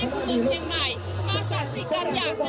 ขอบคุณครับ